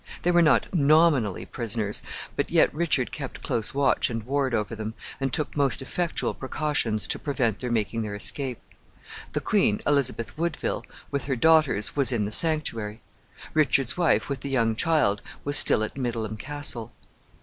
They were not nominally prisoners, but yet Richard kept close watch and ward over them, and took most effectual precautions to prevent their making their escape. The queen, Elizabeth Woodville, with her daughters, was in the sanctuary. Richard's wife, with the young child, was still at Middleham Castle. [Footnote N: For view of this castle, see page 273.